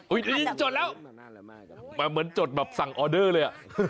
อุ้ยจดแล้วมันเหมือนจดแบบสั่งออเดอร์เลย